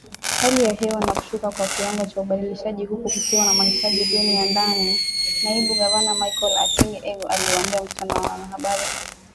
Hali ya hewa na kushuka kwa kiwango cha ubadilishaji huku kukiwa na mahitaji duni ya ndani," Naibu Gavana Michael Atingi-Ego aliuambia mkutano wa wanahabari